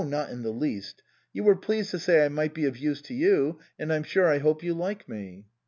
Not in the least. You were pleased to say I might be of use to you, and I'm sure I hope you like me."